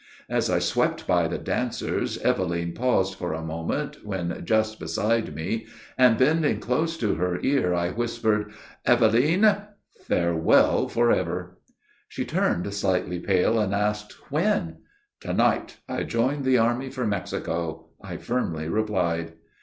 As I swept by the dancers, Eveline paused for a moment when just beside me, and, bending close to her ear, I whispered, 'Eveline, farewell forever.' She turned slightly pale, and asked, 'when?' 'To night, I join the army for Mexico,' I firmly replied.